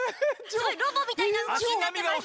すごいロボみたいなうごきになってます。